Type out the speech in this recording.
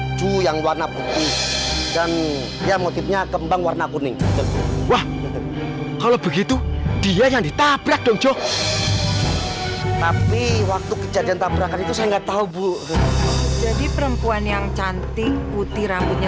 sampai jumpa di video selanjutnya